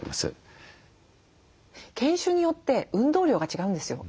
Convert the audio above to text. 犬種によって運動量が違うんですよ。